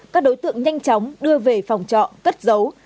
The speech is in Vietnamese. các đối tượng nhanh chóng đưa về phòng trọ cất giấu